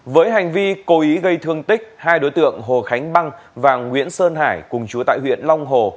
với hành vi cố ý gây thương tích hai đối tượng hồ khánh băng và nguyễn sơn hải cùng chú tại huyện long hồ